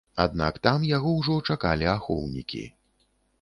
Аднак там яго ўжо чакалі ахоўнікі.